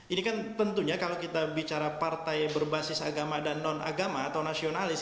ini kan tentunya kalau kita bicara partai berbasis agama dan non agama atau nasionalis